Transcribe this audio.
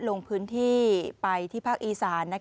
ลงพื้นที่ไปที่ภาคอีสาน